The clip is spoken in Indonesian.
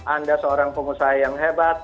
anda seorang pengusaha yang hebat